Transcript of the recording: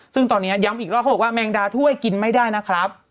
ซึ่งตอนนี้ย้ำอีกรอบเขาบอกว่าแมงดาถ้วยกินไม่ได้นะครับ